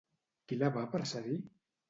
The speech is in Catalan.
Qui la va precedir?